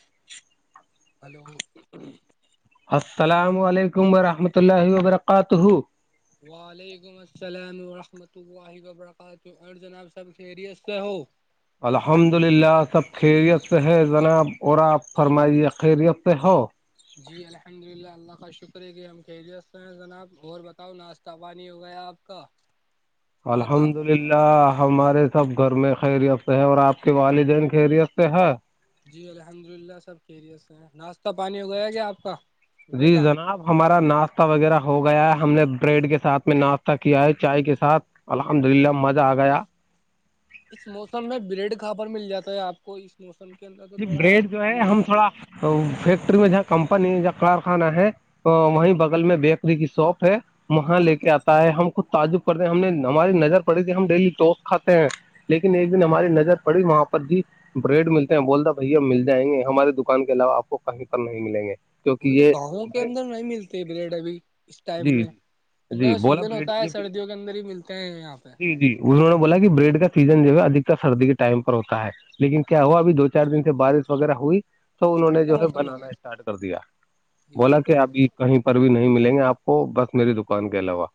[inaudible] hello السلام علیکم ورحمۃ اللہ وبرکاتہ وعلیکم السلام ورحمۃ اللہ وبرکاتہ اور جناب سب خیریت سے ہو الحمد للہ سب خیریت سے ہے جناب اور آپ فرمائیے خیریت سے ہو جی الحمد للہ اللہ کا شکر ہے کہ ہم خیریت سے ہیں جناب اور بتاؤ ناش تبا نہیں ہو گیا آپ کا صبح کا الحمد للہ الحمدلہ ہمارے سب گھر میں خیریت سے ہے اور آپ کے والدین خیریت سے ہے جی الحمد للہ سب کییریت سے ہیں ناشتہ پانی ہو گیا کیا آپ کا جی صبح کا جناب ہمارا ناشتہ وغیرہ ہو گیا ہے ہم نے بریڈ کے ساتھ میں ناشتہ کیا ہے چائے کے ساتھ الحمد للہ مزہ آ گیا اس موسم میں بریڈ کہاں پر مل جاتا ہے آپ کو اس موسم کے اندر تو تھوڑا کم ملتی تو فیکٹری میں جہاں کمپنی جہاں کارخانہ ہے وہیں بغل میں بیکری کی شاپ ہے وہاں اچھا لے کے آتا ہے ہم خود تعجب کرتے ہیں ہم نے ہماری نظر پڑی تھی ہم ڈیلی وس کھاتے ہیں [inaudible] لیکن ایک دن ہماری نظر پڑی وہاں پر بھی بریڈ ملتی بولتا بھیا مل جائیں گے ہمارے دکان کے علاوہ آپ کو کہیں پر نہیں ملیں گے کیونکہ وہی تو یہ گاؤوں کے اندر نہیں ملتے بریڈ ابھی اس ٹائم جی میں ان کا جی تو بولا سیزن بریڈ ہوتا ہے یہ سردیوں کے اندر ہی ملتے ہیں یہاں پہ جی جی انہوں نے بولا کہ بریڈ کا سیزن جو ہے ادکتر سردی کے ٹائم پر ہوتا ہے لیکن کیا ہوا ابھی دو چار دن سے بارش وغیرہ ہوئی تو انہوں نے ٹھنڈا جو ہے موسم ہو بنانا گیا اسٹارٹ کر دیا یہ وہی بولا تو کہ ابھی کہیں پر بھی نہیں ملیں گے آپ کو بس میری دکان کے علاوہ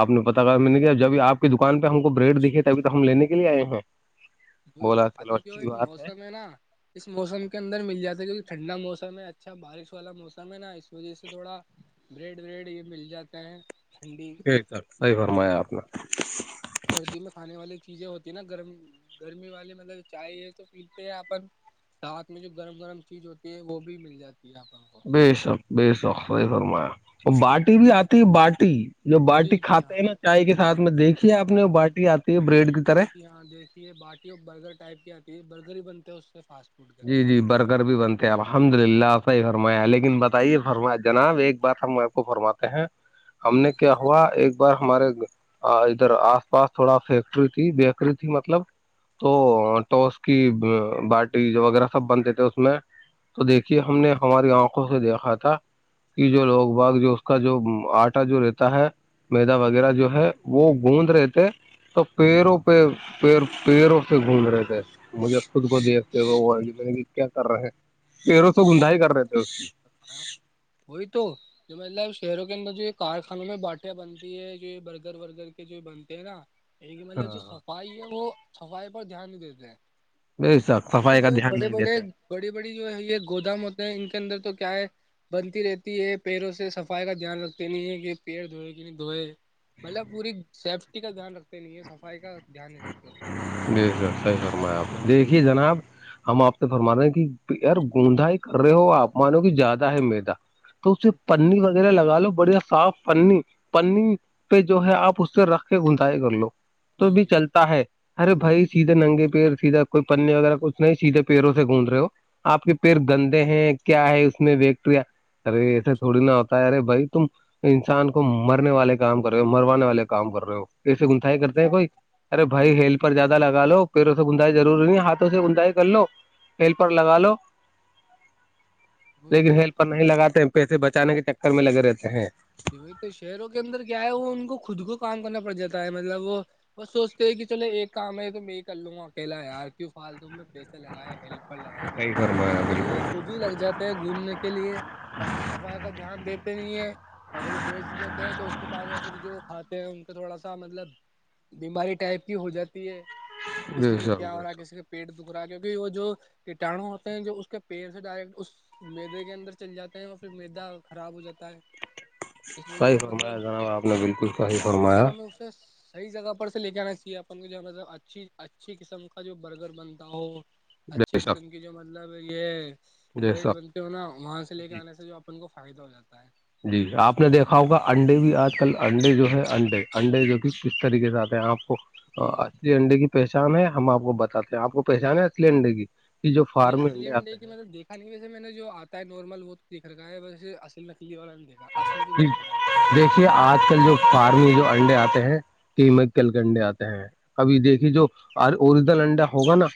آپ نے پتا کہ میں نے جب آ کی دکان پہ ہم کو بریڈ دکھے ابھی تو ہم لینے کے لیے آئے ہیں وہی تو بولا چلو ابھی جو اچھی یہ بات موسم ہے نا اس موسم کے اندر مل جاتا ہے کیونکہ ٹھنڈا موسم ہے اچھا بارش والا موسم ہے نا اس وجہ سے تھوڑا بریڈ وریڈ یہ مل جاتا ہے ٹھنڈی بے صحیح فرمایا آپ نے سردی میں کھانے والی چیزیں ہوتی ہیں نا گرم گرمی والی مطلب چائے ہے تو پیتے ہیں اپن ساتھ میں جو گرم گرم چیز ہوتی ہے وہ بھی مل جاتی ہے اپن کو بے شک بے شک صحیح فرمایا اور باٹی بھی آتی ہے باٹی جو باٹی جی جی کھاتے ہاں ہے نا چائے کے ساتھ میں دیکھی ہے آپ جی نے وہ باٹی آتی ہے بریڈ کی طرح جی جی ہاں دیکھیے باٹی وہ برگر ٹائپ کی آتی ہے برگرر ہی بنتے ہے اس سے فاسٹ فوڈ کے جی اندر جی برگر بھی بنتے الحمد للہ صحیح فرمایا لیکن بتائیے فرمایا جناب ایک بات ہم آپ کو فرما ہیں ہم نے جی کیا ہوا ایک بار ہمارے ادھر آس پاس تھوڑا فیکٹری تھی بیکری تھی مطلب تو تو اس کی با وغیرہ سب بنتے تھے اس میں تو دیکھیے ہم نے ہماری آنکھوں سے دیکھا تھا کہ جو لوگ باگ جو اس کا جو آٹا جو رہتا ہے میدا وغیرہ جو ہے وہ گوند رہے تھے تو پیروں پیر پیروں سے گونند رہے تھے مجھے خود کو دیکھ جی جی کیا کر رہے ہیں پیروں سو گنندھائی کر رہے تھے اس کی [inaudible] وہی تو جو مطلب شہروں کے اندر جو یہ کارخانوں میں باٹیاں بنتی ہے جو یہ برگر ورگر کے جو بنتے ہیں نا یہی کہ مطلب جو ہاں صفائی ہے وہ صفائی پر دھیان نہیں دیتے ہیں ب ساک کیونکہ جو بڑے بڑے بڑی بڑی جو ہے یہ گودام ہوتے ہیں ان کے اندر تو کیا ہے بنتی رہتی ہے پیڑوں سے صفائی کا دھیان رکھتے نہیں ہے کہ پیڑ دھوئے کہ نہیں دھوئے مطلب پوری سیفٹی کا دھیان رکھتے نہیں یہ صفائی کا دھیان نہیں رکھتے ہیں د سر صحیح فرم آپ دیکھیے جناب ہم آپ سے فرما رہے ہیں کہ یار گوندھائی کر رہے ہو آپمانو کہ زیادہ ہے میدا تو اسے جی پنی وغیرہ لگا لو بڑیا صاف پنی پنی پہ جو ہے آپ اس سے رکھ کے گنجائے کر لو تو بھی جی چلتے تا ہے ارے بھائی سیدھے ننگے پیڑ سیدھا کوئی پنے وغیرہ کچھ نہیں سیدھے پیڑوں سے گونند رہے ہو آپ کے پییر گندے ہیں کیا ہے اس میں بیکٹیریا ارے جی ایسے تھوڑی نا ہوتا ہے ارے بھائی تم انسان کو مرنے والے کام کر رہے ہو مروانے والے کام کر رہے ہو ایسے گندائی کرتے ہیں کوئی ارے بھائی ہیل پر زیادہ لگا لو پیروں سے گندائی ضروری نہیں ہاتھوں سے گندائی کر لو ہیلپر لگا لو وہی لیکن تو ہیلپر نہیں لگاتے ہیں پیسے بچانے کے چکر میں لگے رہتے ہیں وہی تو شہروں کے اندر کیا ہے وہ ان کو خود کو کام کرنا پڑ جاتا ہے مطلب وہ بس سوچتے ہے کہ چلو ایک کام ہے تو میں ہی کر لوں گا اکیلا یار کیوں پھال دوں میں پیسے لگائےیں ہیلپر لگائیں گے صحیح فرمایا اس لیے وہ بالکل خود بھی لگ جاتے ہے گھومنے کے لیے اور پھر صفائی کا دھیان دیتے بھی ہیں اور پھر بیچ دیتے ہیں تو اس کے بعد میں پھر جو کھاتے ہیں ان کا تھوڑا سا مطلب بیماری ٹائپ کی ہو جاتی ہے بے کسی کا شک کیا ہو بے رہا ہے شک کسی کے پیٹ دکھ رہا ہے کیونکہ وہ جو کیٹاڑو ہوتے ہیں جو اس کے پیڑ سے ڈائریکٹ میدے کے اندر چل جاتے ہیں وہ پھر میدا خراب ہو جاتا ہے اس وجہ صحیح سے فرمایا مطلب جناب آپ نے بالکل صحیح فرمایا پس صحی جگہ پر سے لے کے آنا چاہیے اپن کو جو ہے اچھی اچھی قسم کا جو برگر بنتا ہو اچھی بے شک قسم کی جو مطلب یہ بے بریڈ شک بنتے ہو نا وہاں سے لے کے جی آنے سے جو ان کو فائدہ ہو جاتا ہے جی آپ نے دیکھا ہوگا انڈے بھی آج کل انڈے جو ہے انڈے انڈے جو کہ کس طریقے سے آتے ہیں آپ کو جی اچلی انڈے کی پہچان ہے ہم آپ کو بتاتے ہیں آپ کو پہچان ہے اچلی انڈے کی کہ جو فارم انڈے آتے ہیں کھانی ویسے میں نے جو آتا ہے نارمل وہ دیکھ را ہے ویسے اصل میںکلی اور نہیں دیکھا اصلی تو دیکھ رکھا ہے دیکھیے آج کل جو فارمی جو انڈے آتے ہیں قمک کل کے انڈے آتے ہیں ابھی دیکھیے جو اورجنل انڈا ہوگا نا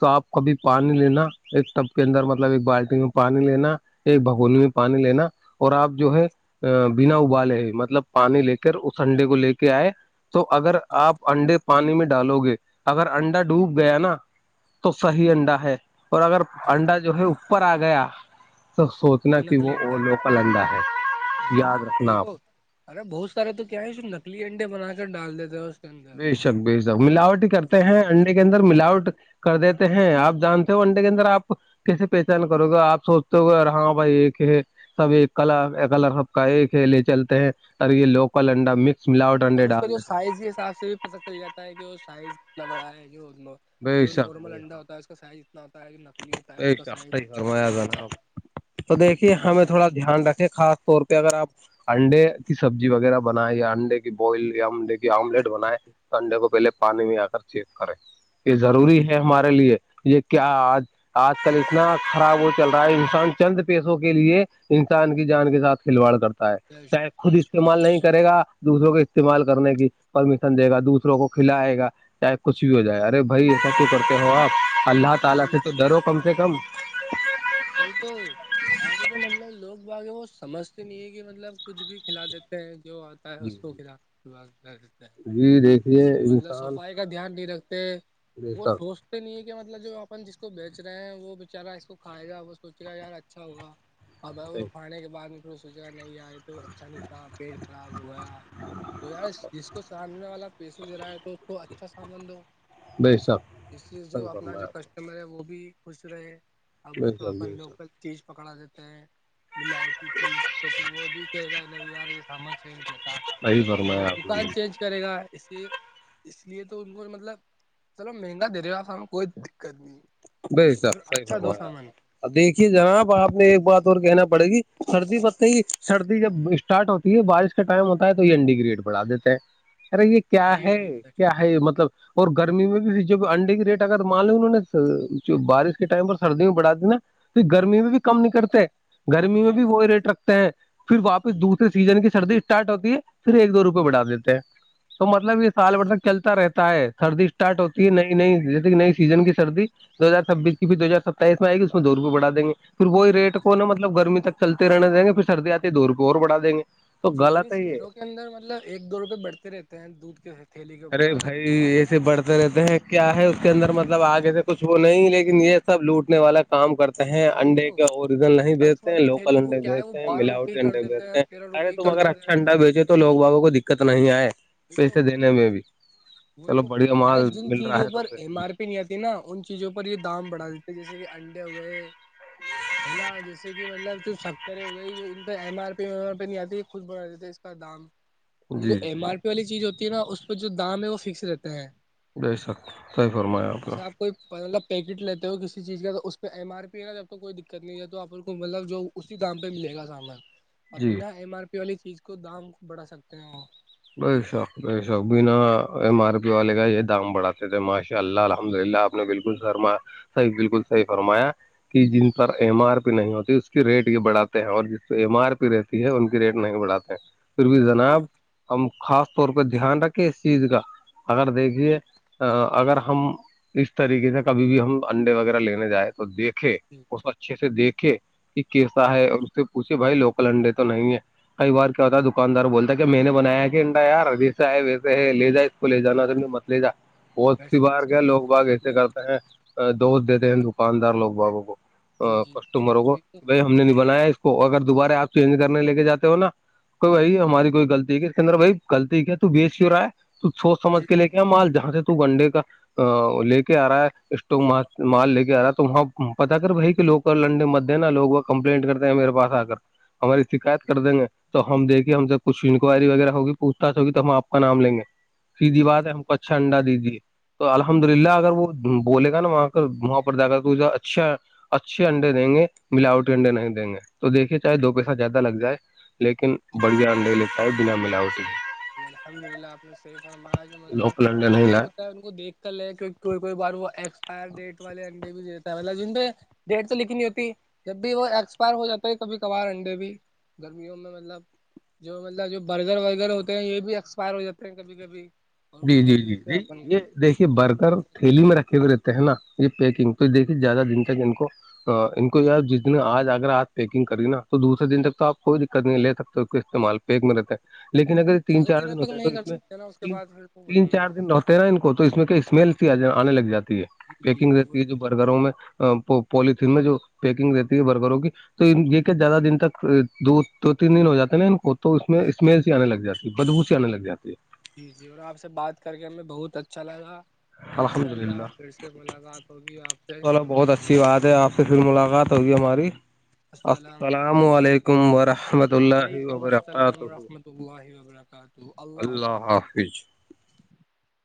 تو آپ کبھی پانی لینا ایک ٹب کے اندر مطلب ایک بالٹی میں پانی لینا ایک بھگول میں پانی لینا اور آپ جو ہے ا بنا ابالے ہے مطلب پانی لے کر اس انڈے کو لے کے آئے تو اگر جی آپ انڈے پانی میں ڈالو گے اگر انڈا ڈوب گیا نا تو صحیح انڈا ہے اور اگر جی انڈا جو ہے اوپر آ گیا توب سو اتنا جو کہ نکلی وہ انڈا وہ ہے لوکل انڈا ہے جی یاد جی رکھنا کوئی آپ تو ارے بہت سارے تو کیا ہے اس نکلی انڈے بنا کر ڈال دیتے ہیں اس کے اندر بے شک بے شک ملاوٹ ہی کرتے سفید ہیں کر انڈے کے اندر ملاوٹ کر دیتے ہیں آپ جانتے ہو انڈے کے اندر آپ کیسے پہچان کرو گا آپ سوچتے ہو گے یار ہاں بھائی یہ ہے سب ایک کلا کلر سب کا ایکلے چلتے اور یہ لوکل انڈا مک اور اس کا جو سائز کے حساب سے بھی پتہ چل جاتا ہے کہ وہ سائز کتنا بڑا ہے کہ ات ہیں بے جو شک نارمل بے انڈا شک ہوتا ہے اس کا سائز اتنا ہوتا ہے کہ نکلی ہوتا ہے بے اس کا شک سائز صحیح چھوٹا فرمایا ہو جاتا ہے جناب تو دیکھیے ہمیں تھوڑا دھیان رکھے خاص طور پہ اگر آپ انڈے کی سبزی وغیرہ بنائے یا انڈے کی بوائل یا انڈے کی آملیٹ بنائے تو انڈے کو پہے پانی میں آ کر چیک کریں یہ ضروری ہے ہمارے لیے یہ کیا آج آج کل اتنا خراب وہ چل رہا ہے انسان چند پیسوں کے لیے انسان کی جان کے ساتھ کھلواڑ کرتا ہے چاہے خود استعمال نہیں کرے گا [unintelligible] جی [unintelligible] ئی تو اگے جو منظر لوگ بھاگے وہ سمجھتے نہیں ہے کہ مطلب کچھ ہو ہے جی اس کو خف کر دیتا ہے جی دیکھ اس لیے مطلب صفائی کا دھیان نہیں رکھتے بے وہ شک سو تو نہیں ہے کہ مطلب جو اپن جس کو بیچ رہے ہیں وہ بچارا اس کو کھائے گا وہ سوچے گا یار اچھا ہوگا اب کو کھانے کے بعد میں پھر سوچا گ نہیں آئے تو اچھا نہیں تھا پیٹ خراب ہو گیا بے شک صحیح فرمایا آپ [unintelligible] [unintelligible] میرے وہ بھی خوش رہے اب نے اس بے کو شک بے اپن لوگل شک چیز پکڑا دیتے ہیں ملاوٹ کی چیز تو پھر وہ بھی کہے گا ل یار یہ سامان سے صحیح پھر وہ فرمایا آپ نے دکان چینج کرے گا اس کہ اس لیے تو ان کو مطلب چلو مہنگا دے دے گاسا کوئی دقت نہیں تو پھر اچھا دو سامان [unintelligible] دیکھیے جناب آپ نے ایک بات اور کہنا پڑے گی سردی ب ہی سردی جب اسٹارٹ ہوتی ہے بارش کا ٹائم ہوتا ہے تو یہ انین ڈی گریٹ بڑھا دیتے ہیں ارے یہ کیا جی ہے جی سر کیا مطلب اور گرمی میں بھیھر جو انڈے کے ریٹ اگر مان لیں انہ نے جو بارش کے ٹائم پر سردی میں بڑھاتی نا تو گرمی میں بھی کم نہیں کرتے گرمی میں جی بھی وہی ریٹ رکھ پھر واپس دوسرے سیزن کی سردی اسٹارٹ ہوتی ہے پھر ایک دو روپئے بڑھا دیتے ہیں [unintelligible] نہیں جیسے کہ نئی سیزن کی سردی دو ہزار چھبیس کی پھر دو ہزار ستائیس میں آ گی اس میں دو روپئے بڑا دیں گ پھر وہیٹ کو جی ن مطب گرمی تک چلتے رہنے دیں گے پھر سردی آتی دور کو اور بڑا دیں گے تو جی وہی غلط ہے یہ شہروں کے اندر مطلب ایک دو روپئے بڑھتے رہتے ہیں دودھ کے تھیلی کے ارے اوپر بھائی ایسے بڑھتے رہتے ہیں کیا ہے اس کے اندر مطلب آگے سے کچھ وہ نہیں لیکن کام کرتے ہیں وہی انڈے تو کا اوریزن نہیں دس بیچتے ہیں والی لوکل تھیلی کو انڈے کیا ہے وہ بیچتے ہیں بارہ روپئے ملاوٹی ہی کر انڈے دیتے بیچتے ہیں تیرہ ارے روپئے ہی تم کر اگر دیتے ہیں اچھا انڈا بیچے تو لوگ بابوں کو دقت نہیں آئے پیسے دینے میں بھی وہ چلو تو بڑھیا ارے مال جن مل رہا چیزوں ہے تو پر پیسے ایم آر پی پنی آتی نا ان چیزوں پر یہ دام بڑھا دیتے جیسے کہ انڈے ہو گئے پلا جیسے کہ مطلب کھڑے ہو گئی بھی جی جی پہلی چیز ہوتی ہے نا بے س صحی فرمایا جیسے آپ پیکٹ لیتے ہو کسی چیز کا اس پہ ایم ار پی ہے اسی دام پہ ملے گا سامان ا جی بنا ایم آر پی والی چیز کو دام بڑھا سکتے ہیں وہ بے شک بے شک نے بالکل فرمایا صحیح بالکل صحیح فرمایا جی ان پر ایم ار بھی نہیں ہوتے اس کے ریٹ بھی بڑھاتے ہیں اور ایم ار پی رہے ٹھیک ہے ان کی ریٹ نہیں بڑھاتے ہیں پھر بھی جی کوئی جناب ہم خاص طور پہ دھیان رکھیں اس چیز کا اگر دیکھیے جی اگر ہم اس طریقے سے کبھی بھی ہم انڈے وغیرہ لینے جائیں تو دیکھ اس اچھے سے دیکھے کہ کیسا ہے بالکل اور اسے اسھ بھائی لوکل انڈے تو نہیں ہے کئی بار کیا ہوتا ہے دکاندار بولتا ہے کہ میں نے بنایا کہ انڈا ار ردی سے ہے ویسے لے جائے کو لے جی جانا تو مت لے جا بہت سی بس بار سے کیا لوگ فرمایا باغ آپ ایسے نے کرتے ہیں دوست دیتے ہیں دکاندار لوگ بابوں کو جی جی کسٹمروں کو کوئی تو ہم نے نہیں بنایا اس کو اگر دوبارہ آپ چینج کرنے لے کے جاتے ہو نا کوئی وہی ہے ہماری کوئی غلط ھ سکندر بھائی لطی کیا تو بیچ کی ہو رہا ہے تو سوچ سمجھ جی کے لے کے مال جہاں سے تو گنڈے کا ا لے کے آ رہا ہے اسٹو مارک مال لے کے آ رہا ہے تو وہاں پتا کر بھائی کہ لوگ لنڈے مدے نا لوگ وہ کمپلینٹ کرتے ہیں میرے پاس آ کر ہماری شکایت کر دیں گے تو ہم دیکے ہم سےب کچھ وائری وغیرہ ہوگیوچھ ہوی تو ہمپ کا نام لیں گے سیدھی بات ہے ہم کو اچھا انڈا دی دیے تو الحمد للہ اگر وہ بولے گا نا جی وہاں پرد کر کو اسا اچھا اچھے انڈے دیں گے ملاوٹی انڈے نہیں دیں گے تو دیکھیے چاہے دو پیسہ زیادہ لگ جائے لیکن جی بڑھیا انڈے لیتا ہے بنا ملاوٹی جی الحمد للہ آپ سیف اور معا جو مطلب لوکل انڈے نہیں لائے اننٹے ان کو دیکھ کر لے کہ کوئی کوئی بار وہ ایکسپائر ڈیٹ والے انڈے بھی دیتا ہے مطلب جن پہ ڈیٹ تو لکھی نہیں ہوتی جب بھی وہ ایکسپائر ہو جاتا ہے کبھی کبھار انڈے بھی گرمیوں میں مطلب جو مطلب جو برزر وغیرہ ہوتا یہ بھی ایکسپائر ہو جاتے ہیں کبھی کبھی اور جی ان کو جی دے جی دیتے ہیں جی اپن کو یہ دیکھیے ان برکر چیزوں کو تھھیلی میں رکھے ہوئے نا یہ پیکنگ تو دیکھی زیادہ دن تک ان کو ان کو یار جس دن آج اگر آپ پیکنگ کری نا تو دوسرے دن تک تو آپ کوئی دقت نہیں لے سکتے اس کے استعمال پ ایک م رہتا ہے لیکن اگر یہ تین زیادہ چار دنوں دن ہوتا تک ہے تو نہیں کر اس میں سکتے نا اس کے ت بعد پھر کو تین بدلنا چار پڑتا دن رہتے نا ان کو تو اس میں اسمیل س آنے لگ جاتی ہے جی جی پیکنگ جی وہ رہتی ہے جو برگروں میں پولیتھین میں جو پیکنگ دیتی ہے برگروں کی تو یہ کہ زیادہ دن تک دو دو تین دن ہو جاتے نا ان کو تو اس میں اسمیل سی آنے لگ جاتے بدبو سے آنے لگ جاتی ہے جی جی اور آپ سے بات کر کے ہمیں بہت اچھا لگا انشاء الحمد اللہ للہ پھر سے ملاقات ہوگی آپ سے اسیف بعات ہے آپ سے پھر ملاقات ہوگی ہماری السلام علیکم ورحمۃ اللہ وعلیکم السلام وبرکاتہ ورحمۃ اللہ وبرکاتہ اللہ حافظ